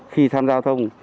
khi tham gia thông